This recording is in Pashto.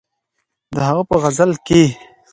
د هغه په غزل کښې